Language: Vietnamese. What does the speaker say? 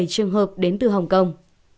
bảy trường hợp đến từ hồng kông